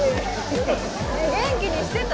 元気にしてた？